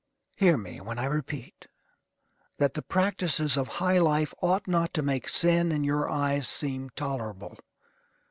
Hear me when I repeat, that the practices of high life ought not to make sin in your eyes seem tolerable.